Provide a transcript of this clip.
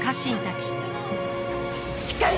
しっかり！